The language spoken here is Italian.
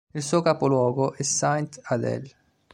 Il suo capoluogo è Sainte-Adèle.